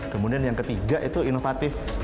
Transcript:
kemudian yang ketiga itu inovatif